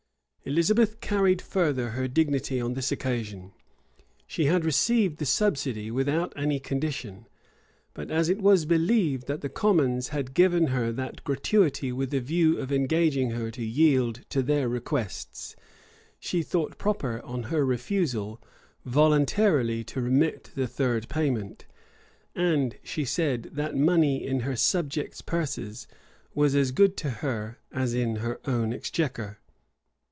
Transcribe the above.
[] Elizabeth carried further her dignity on this occasion. She had received the subsidy without any condition; but as it was believed that the commons had given her that gratuity with a view of engaging her to yield to their requests, she thought proper, on her refusal, voluntarily to remit the third payment; and she said, that money in her subjects' purses was as good to her as in her own exchequer.